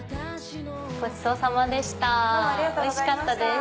ごちそうさまでしたおいしかったです。